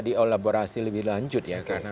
dielaborasi lebih lanjut ya karena